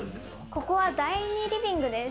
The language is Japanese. ここは第２リビングです。